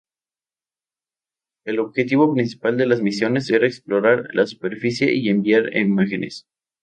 El objetivo principal de las misiones era explorar la superficie y enviar imágenes.